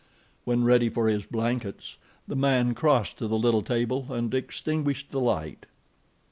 When ready for his blankets, the man crossed to the little table and extinguished the light.